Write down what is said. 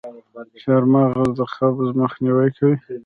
چارمغز د قبض مخنیوی کوي.